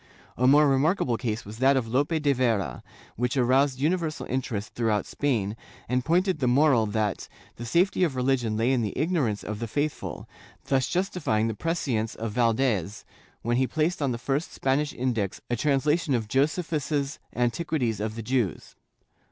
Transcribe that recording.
^ A more remarkable case was that of Lope de Vera, which aroused universal interest throughout Spain, and pointed the moral that the safety of religion lay in the ignorance of the faithful, thus justifying the prescience of Valdes, when he placed on the first Spanish Index a translation of Josephus's Antiquities of the Jews.